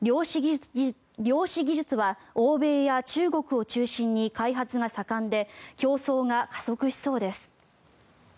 量子技術は欧米や中国を中心に開発が盛んで競争が加速しそうです。